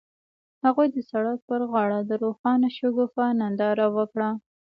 هغوی د سړک پر غاړه د روښانه شګوفه ننداره وکړه.